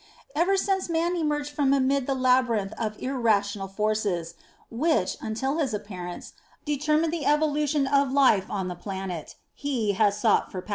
Ever since man emerged from amid the labyrinth of irrational forces, which, until his appearance, determined the evolu tion of life on the planet, he has sought for power.